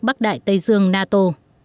bắc đại tây dương nato